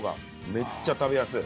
めっちゃ食べやすい。